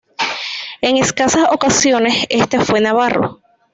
En escasas ocasiones este fue navarro.